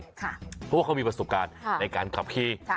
เพราะว่าเขามีประสบการณ์ในการขับขี่